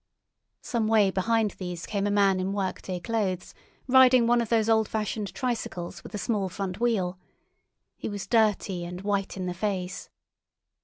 Some way behind these came a man in workday clothes, riding one of those old fashioned tricycles with a small front wheel. He was dirty and white in the face.